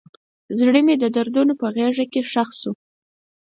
زړه مې د دردونو په غیږ کې ښخ شو.